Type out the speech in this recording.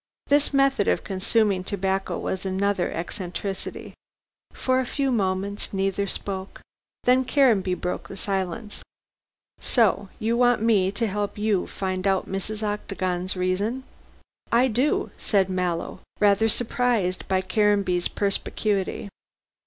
This method of consuming tobacco was another eccentricity. For a few moments neither spoke. Then Caranby broke the silence. "So you want me to help you to find out Mrs. Octagon's reason?" "I do," said Mallow, rather surprised by Caranby's perspicuity.